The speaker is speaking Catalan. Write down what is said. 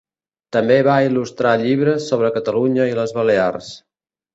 També va il·lustrar llibres sobre Catalunya i les Balears.